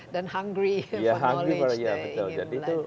dan penasaran untuk mencapai